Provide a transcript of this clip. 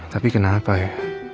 tapi kenapa ya